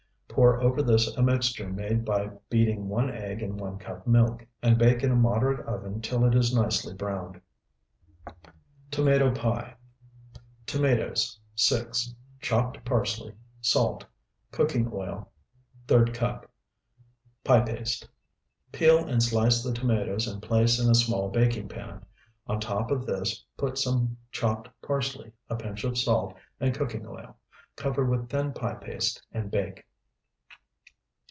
Pour over this a mixture made by beating one egg in one cup milk, and bake in a moderate oven till it is nicely browned. TOMATO PIE Tomatoes, 6. Chopped parsley. Salt. Cooking oil, ⅓ cup. Pie paste. Peel and slice the tomatoes and place in a small baking pan. On top of this put some chopped parsley, a pinch of salt, and cooking oil. Cover with thin pie paste and bake.